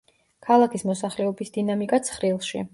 ქალაქის მოსახლეობის დინამიკა ცხრილში.